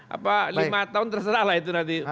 apa lima tahun terserah lah itu nanti